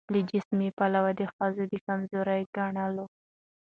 له جسمي پلوه د ښځو د کمزوري ګڼلو